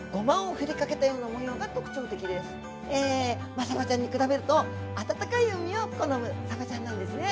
マサバちゃんに比べると暖かい海を好むさばちゃんなんですね。